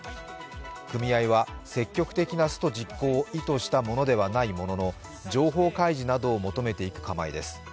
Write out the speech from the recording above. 組合は、積極的なスト実行を意図したものではないものの情報開示などを求めていく構えです。